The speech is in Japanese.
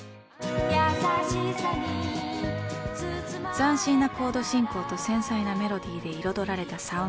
斬新なコード進行と繊細なメロディーで彩られたサウンド。